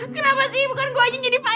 kenapa sih bukan gue aja jadi fanya